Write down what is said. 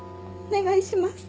お願いします。